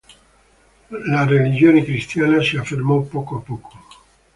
La religione cristiana si affermò poco a poco.